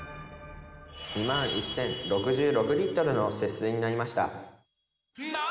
２万１０６６リットルの節水になりました。